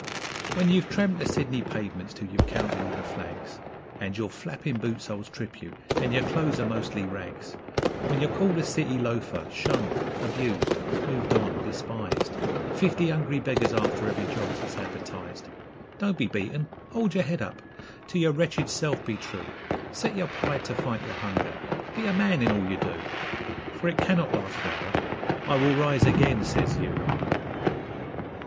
When you've tramped the Sydney pavements till you've counted all the flags, And your flapping boot soles trip you, and your clothes are mostly rags, When you're called a city loafer, shunned, abused, moved on, despised Fifty hungry beggars after every job that's advertised Don't be beaten! Hold your head up! To your wretched self be true; Set your pride to fight your hunger! Be a MAN in all you do! For it cannot last for ever 'I will rise again!' says you.